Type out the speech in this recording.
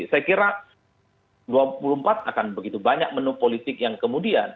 saya kira dua puluh empat akan begitu banyak menu politik yang kemudian